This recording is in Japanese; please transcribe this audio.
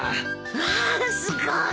わあすごい！